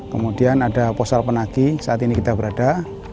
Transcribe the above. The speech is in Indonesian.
kemudian ada posal penagi saat ini kita berada